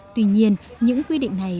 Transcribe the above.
tuy nhiên những quy định này